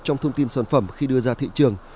trong thông tin sản phẩm khi đưa ra thị trường